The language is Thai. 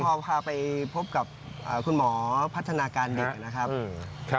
พอพาไปพบกับคุณหมอพัฒนาการเด็กนะครับ